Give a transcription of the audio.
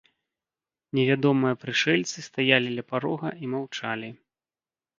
Невядомыя прышэльцы стаялі ля парога і маўчалі.